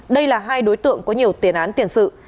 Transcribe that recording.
đây là hai đối tượng có nhiều tiền án tiền sự